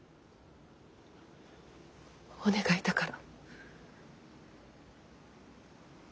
お願いだから。